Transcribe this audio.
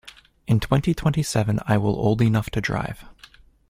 In twenty-twenty-seven I will old enough to drive.